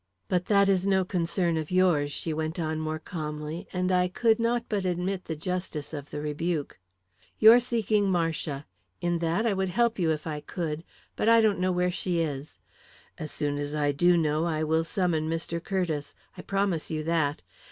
"But that is no concern of yours," she went on more calmly, and I could not but admit the justice of the rebuke. "You're seeking Marcia. In that I would help you, if I could, but I don't know where she is. As soon as I do know, I will summon Mr. Curtiss; I promise you that.